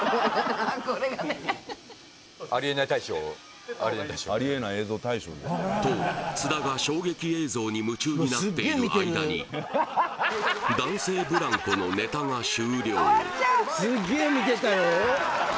これがねありえない大賞ありえない映像大賞と津田が衝撃映像に夢中になっている間に男性ブランコのネタが終了すっげえ見てたよ